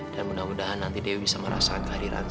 dan mudah mudahan nanti dewi bisa merasakan kehadiran dia